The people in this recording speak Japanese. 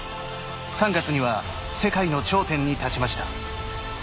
３月には世界の頂点に立ちました。